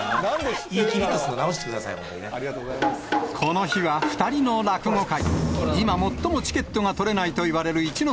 胃、この日は２人の落語会。